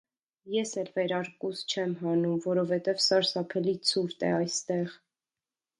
Ես էլ վերարկուս չեմ հանում, որովհետև սարսափելի ցուրտ է այստեղ: